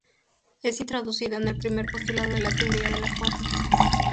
Es introducido en el primer postulado de la teoría de la forma.